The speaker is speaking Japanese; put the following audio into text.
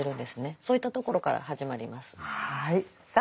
そういったところから始まります。